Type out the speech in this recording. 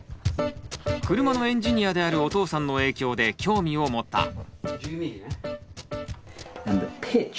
車のエンジニアであるお父さんの影響で興味を持った。